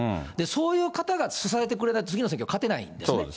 そういう方が支えてくれないと、次の選挙勝てないんでね。